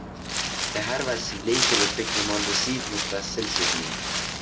به هر وسیلهای که به فکرمان رسید متوصل شدیم.